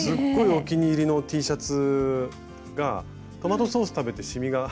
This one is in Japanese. お気に入りのＴシャツがトマトソース食べてしみが。